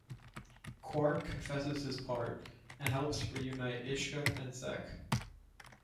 Quark confesses his part, and helps reunite Ishka and Zek.